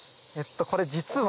これ実は。